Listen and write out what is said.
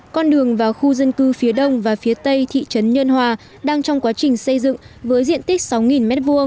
con đường vào khu dân cư phía đông và phía tây thị trấn nhân hòa đang trong quá trình xây dựng với diện tích sáu m hai